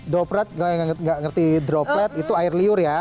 dopret gak ngerti droplet itu air liur ya